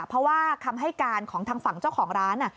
เพราะว่าคำให้การของทางฝั่งเจ้าของร้าน